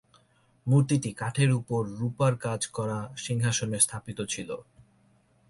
মূর্তিটি কাঠের উপর রূপার কাজ করা সিংহাসনে স্থাপিত ছিল।